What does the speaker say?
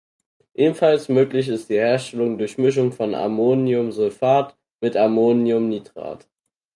Ebenfalls möglich ist die Herstellung durch Mischung von Ammoniumsulfat mit Ammoniumnitrat.